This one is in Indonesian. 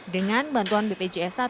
dengan bantuan bpjs satu